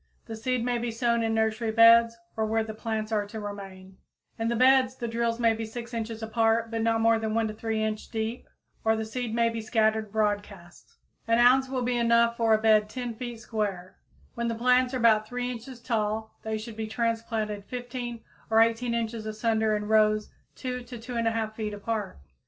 The seed may be sown in nursery beds or where the plants are to remain. In the beds, the drills may be 6 inches apart, and not more than 1 3 inch deep, or the seed may be scattered broadcast. An ounce will be enough for a bed 10 feet square. When the plants are about 3 inches tall they should be transplanted 15 or 18 inches asunder in rows 2 to 2 1/2 feet apart.